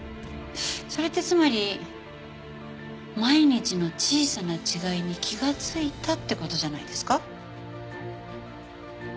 それってつまり毎日の小さな違いに気がついたって事じゃないですか？